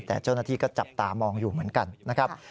แต่เจ้าหน้าที่ก็จับตามองอยู่เหมือนกันนะครับ